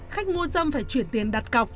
khách mua dâm phải chuyển tiền đặt cọc